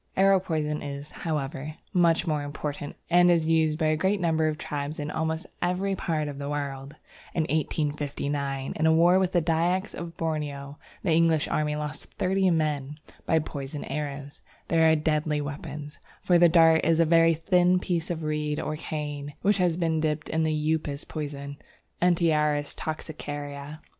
Arrow poison is, however, much more important, and is used by a great number of tribes in almost every part of the world. In 1859, in a war with the Dyaks of Borneo, the English army lost thirty men by poisoned arrows. They are deadly weapons, for the dart is a very thin piece of reed or cane, which has been dipped in the Upas poison (Antiaris toxicaria).